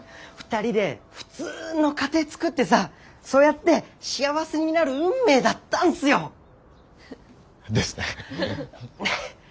２人で普通の家庭つくってさそうやって幸せになる運命だったんっすよ。ですね。